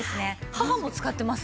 母も使ってます。